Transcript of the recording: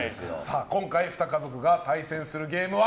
今回２家族が対戦するゲームは